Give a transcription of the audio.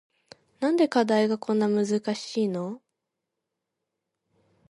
なんで課題がこんなに難しいの